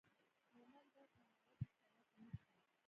مومن باید په امانت کې خیانت و نه کړي.